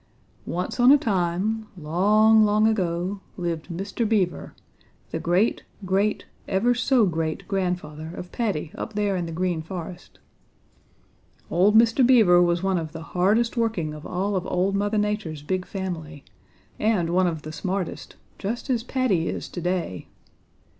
"Once on a time, long, long ago, lived Mr. Beaver, the great great ever so great grandfather of Paddy up there in the Green Forest. Old Mr. Beaver was one of the hardest working of all of Old Mother Nature's big family and one of the smartest, just as Paddy is to day.